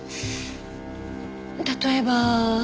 例えば。